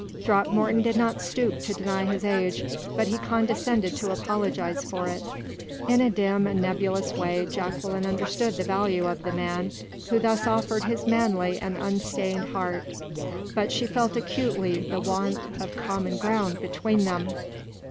Throckmorton did not stoop to deny his age, but he condescended to apologize for it. In a dim and nebulous way Jacqueline understood the value of the man who thus offered his manly and unstained heart, but she felt acutely the want of common ground between them.